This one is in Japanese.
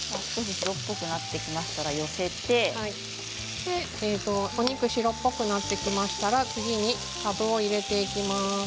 白っぽくなってきましたらお肉が白っぽくなってきましたら次にかぶを入れていきます。